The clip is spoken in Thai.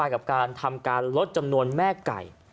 กับการทำการลดจำนวนแม่ไก่